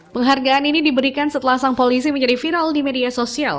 penghargaan ini diberikan setelah sang polisi menjadi viral di media sosial